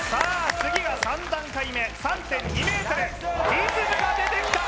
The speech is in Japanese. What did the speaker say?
次は３段階目３．２ｍリズムが出てきた